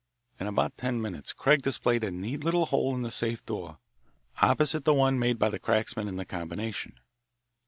In about ten minutes Craig displayed a neat little hole in the safe door opposite the one made by the cracksman in the combination.